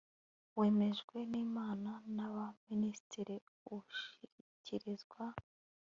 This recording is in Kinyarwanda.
wemejwe n Inama y Abaminisitiri ushyikirizwa